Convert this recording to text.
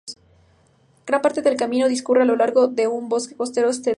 Gran parte del camino discurre a lo largo de un bosque costero centenario.